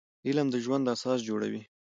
علم د ژوند اساس جوړوي